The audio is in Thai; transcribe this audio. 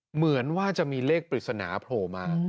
เหมือนว่าจะมีเลขปริศนาโผล่มา